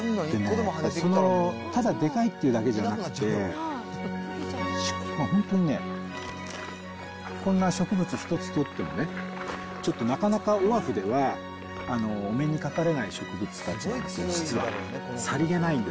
そのただでかいっていうだけじゃなくて、本当にね、こんな植物一つとってもね、ちょっとなかなかオアフでは、お目にかかれない植物たちなんですよ、実は。